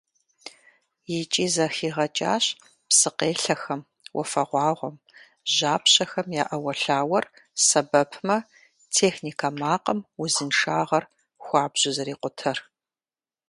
ИкӀи зэхигъэкӀащ псыкъелъэхэм, уафэгъуагъуэм, жьапщэхэм я Ӏэуэлъауэр сэбэпмэ, техникэ макъым узыншагъэр хуабжьу зэрикъутэр.